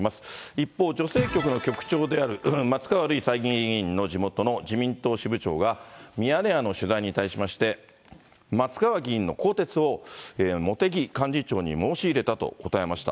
一方、女性局の局長である松川るい参院議員の地元の自民党支部長が、ミヤネ屋の取材に対しまして、松川議員の更迭を茂木幹事長に申し入れたと答えました。